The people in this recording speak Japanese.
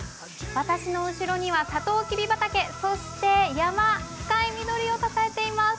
私の後ろにはさとうきび畑、そして山、深い緑を抱えています